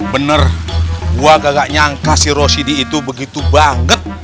bener gua gak nyangka si rosydy itu begitu banget